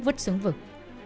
vứt xuống vực